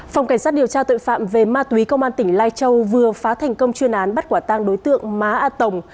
phòng cảnh sát điều tra tội phạm về ma túy công an tỉnh lai châu vừa phá thành công chuyên án bắt quả tang đối tượng má a tổng